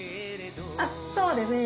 あっそうですね。